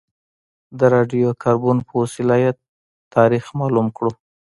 د راډیو کاربن په وسیله یې تاریخ معلوم کړو.